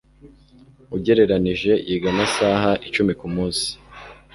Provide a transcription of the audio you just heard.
ugereranije Yiga amasaha icumi kumunsi.